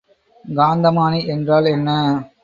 காந்தமானி என்றால் என்ன?